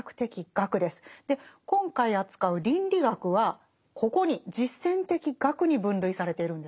今回扱う倫理学はここに実践的学に分類されているんですね。